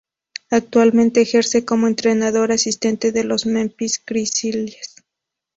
Actualmente ejerce como entrenador asistente de los Memphis Grizzlies.